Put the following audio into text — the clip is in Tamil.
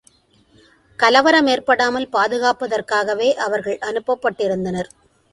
கலவரமேற்படாமல் பாதுகாப்பதற்காகவே அவர்கள் அனுப்பப்பட்டிருந்தனர்.